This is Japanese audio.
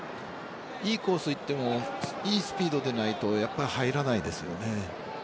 いいコースにいってもいいスピードでないとやっぱり入らないですよね。